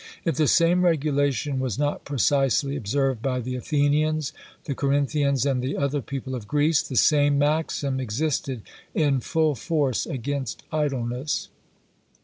If the same regulation was not precisely observed by the Athenians, the Corinthians, and the other people of Greece, the same maxim existed in full force against idleness.